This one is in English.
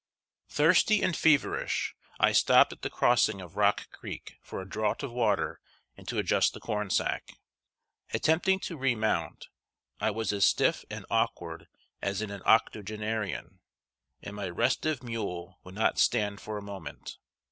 ] Thirsty and feverish, I stopped at the crossing of Rock Creek for a draught of water and to adjust the corn sack. Attempting to remount, I was as stiff and awkward as an octogenarian, and my restive mule would not stand for a moment.